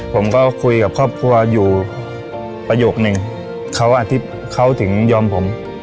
ผมก็คุยกับครอบครัวอยู่ประโยคนึงเขาถึงยอมผม